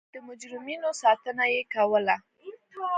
د مجرمینو ساتنه یې کوله.